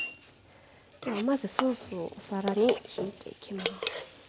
ではまずソースをお皿にひいていきます。